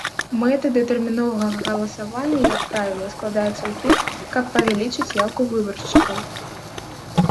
Мэта датэрміновага галасавання, як правіла, складаюцца ў тым, каб павялічыць яўку выбаршчыкаў.